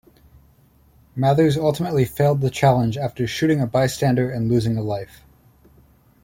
Mathers ultimately failed the challenge after shooting a bystander and losing a life.